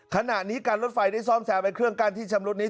ขณะนี้การรถไฟได้ซ่อมแซมไอเครื่องกั้นที่ชำรุดนี้